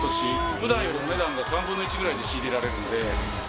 ふだんよりお値段が３分の１くらいで仕入れられるので。